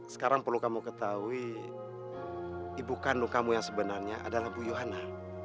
sekarang perlu kamu ketahui ibu kandung kamu yang sebenarnya adalah bu yohana